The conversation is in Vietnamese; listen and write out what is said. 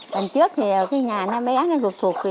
lần trước thì cái nhà bé nó rụt rụt